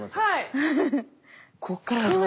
はい。